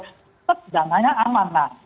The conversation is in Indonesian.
tetap dananya aman